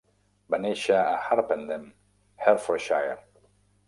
Va néixer a Harpenden, Hertfordshire.